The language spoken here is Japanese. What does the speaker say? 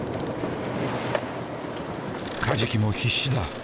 カジキも必死だ。